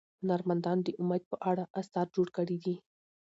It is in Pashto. هنرمندانو د امید په اړه اثار جوړ کړي دي.